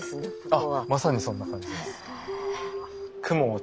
あっまさにそんな感じです。